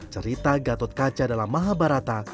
cerita gatot kaca dalam mahabharata